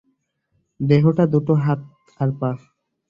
দেহটা, দুটো হাত আর পা।